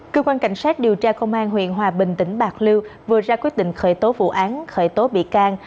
cơ quan cảnh sát điều tra công an huyện hòa bình tỉnh bạc liêu vừa ra quyết định khởi tố vụ án khởi tố bị can